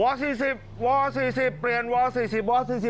วอร์ส๔๐วอร์ส๔๐เปลี่ยนวอร์ส๔๐วอร์ส๔๐